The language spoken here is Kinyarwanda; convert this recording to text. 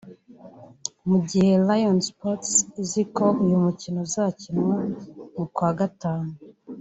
Mu gihe Rayon Sports iziko uyu mukino uzakinwa kuwa Gatanu